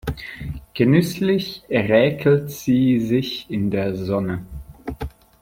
Genüsslich räkelt sie sich in der Sonne.